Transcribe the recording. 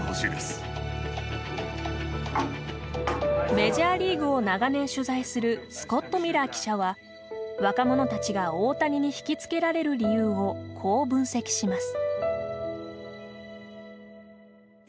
メジャーリーグを長年取材するスコット・ミラー記者は若者たちが大谷に引きつけられる理由をこう分析します。